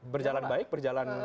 berjalan baik berjalan